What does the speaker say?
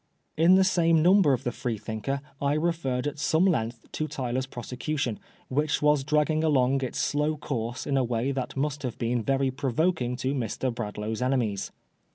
In the same numb&r of the Freethinker I referred at some length to Tyler's prosecution, which was dragging :along its slow course in a way that must have been very provoking to Mr. Bradlaugh's enemies.